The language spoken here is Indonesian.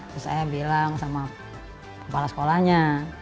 terus saya bilang sama kepala sekolahnya